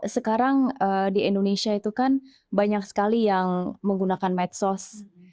sekarang di indonesia itu kan banyak sekali yang menggunakan medsos